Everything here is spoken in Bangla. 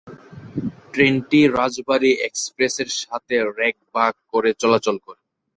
ট্রেনটি রাজবাড়ী এক্সপ্রেস এর সাথে রেক ভাগ করে চলাচল করে।